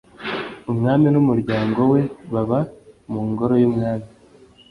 Umwami n'umuryango we baba mu ngoro y'umwami.